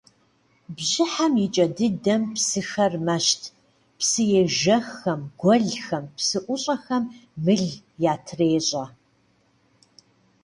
Бжьыхьэм и кӏэ дыдэм псыхэр мэщт – псыежэххэм, гуэлхэм, псыӏущӏэхэм мыл ятрещӏэ.